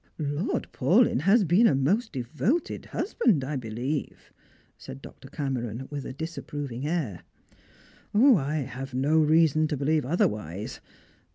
_" Lord Paulyn has been a most devoted husband, I beUeve," said Doctor Cameron, with a disapproving air. " I have no reason to believe otherwise.